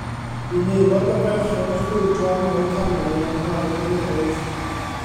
Bu'n aelod o Ferched y Chwyldro Americanaidd am rai blynyddoedd.